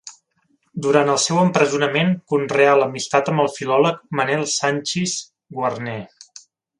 Durant el seu empresonament conreà l'amistat amb el filòleg Manel Sanchis Guarner.